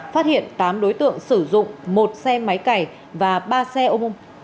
phát hiện tám đối tượng sử dụng một xe máy cày và ba xe ôm